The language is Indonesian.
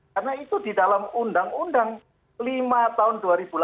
karena itu di dalam undang undang lima tahun dua ribu delapan belas